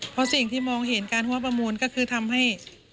เพราะสิ่งที่มองเห็นการหัวประมูลก็คือทำให้